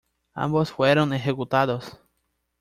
Ambos fueron ejecutados.